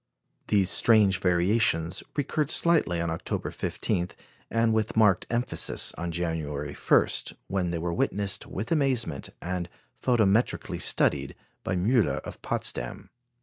These strange variations recurred slightly on October 15, and with marked emphasis on January 1, when they were witnessed with amazement, and photometrically studied by Müller of Potsdam.